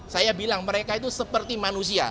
saya bilang mereka itu seperti manusia